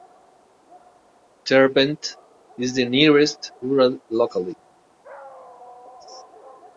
Derbent is the nearest rural locality.